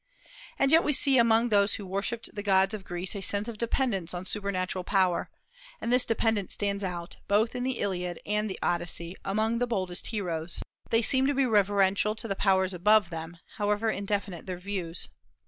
And yet we see among those who worshipped the gods of Greece a sense of dependence on supernatural power; and this dependence stands out, both in the Iliad and the Odyssey, among the boldest heroes. They seem to be reverential to the powers above them, however indefinite their views.